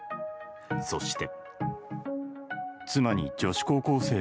そして。